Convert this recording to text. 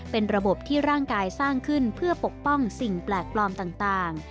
เป็นระบบที่ร่างกายสร้างขึ้นเพื่อปกป้องสิ่งแปลกปลอมต่าง